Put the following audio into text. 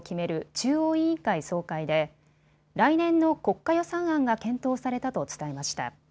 中央委員会総会で来年の国家予算案が検討されたと伝えました。